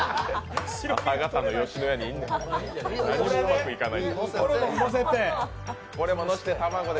朝方の吉野家にいんねん、何もうまくいかない。